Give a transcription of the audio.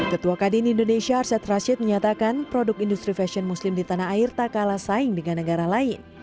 ketua kadin indonesia arsyad rashid menyatakan produk industri fashion muslim di tanah air tak kalah saing dengan negara lain